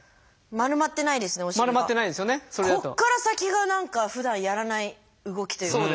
ここから先が何かふだんやらない動きというか。